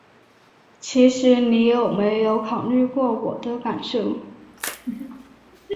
其实你有没有考虑过我的感受？